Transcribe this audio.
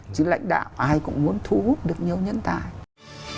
chứ lãnh đạo ai cũng muốn thu hút được nhiều nhân tài